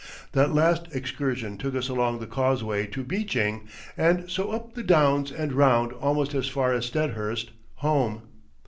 That last excursion took us along the causeway to Beeching, and so up the downs and round almost as far as Steadhurst, home.